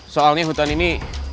soalnya hutan ini